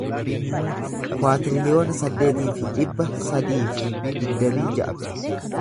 kuwaatiriliyoona saddeetii fi dhibba sadii fi digdamii ja'a